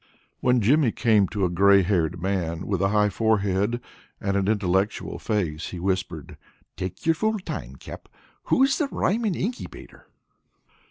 When Jimmy came to a gray haired man, with a high forehead and an intellectual face, he whispered: "Take your full time, Cap. Who's the rhymin' inkybator?"